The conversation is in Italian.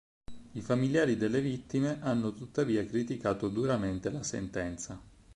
I familiari delle vittime hanno tuttavia criticato duramente la sentenza.